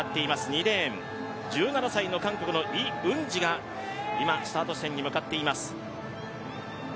２レーン、１７歳の韓国のイ・ウンジがスタート地点に向かっています。